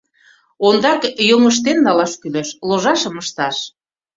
Ондак йоҥыштен налаш кӱлеш, ложашым ышташ.